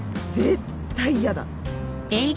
絶対嫌だ。